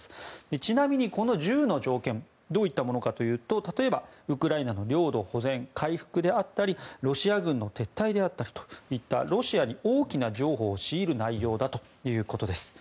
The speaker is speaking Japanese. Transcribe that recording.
ちなみに、この１０の条件どういったものかというと例えば、ウクライナの領土保全回復であったりロシア軍の撤退であったりといったロシアに大きな譲歩を強いる内容だということです。